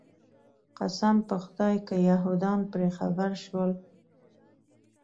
قسم په خدای که یهودان پرې خبر شول.